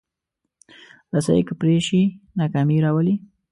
رسۍ که پرې شي، ناکامي راولي.